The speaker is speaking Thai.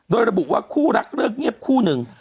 โดยระบุว่าคู่รักเลิกเงียบคู่หนึ่ง